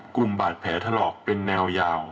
กลุ่มบาดแผลถลอกเป็นแนวยาว